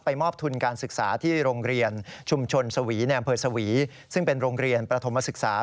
มอบทุนการศึกษาที่โรงเรียนชุมชนสวีในอำเภอสวีซึ่งเป็นโรงเรียนประถมศึกษา